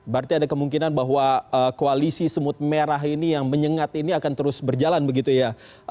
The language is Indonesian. berarti ada kemungkinan bahwa koalisi semut merah ini yang menyengat ini akan terus berjalan begitu ya